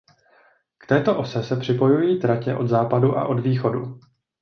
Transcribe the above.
K této ose se připojují tratě od západu a od východu.